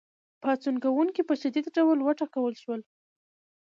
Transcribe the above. پاڅون کوونکي په شدید ډول وټکول شول.